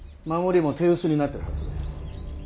守りも手薄になっているはず。